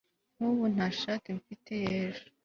nkubu ntashati mfite yejo